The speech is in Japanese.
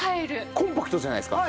コンパクトじゃないですか。